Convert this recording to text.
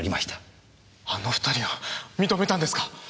あの二人が認めたんですか！？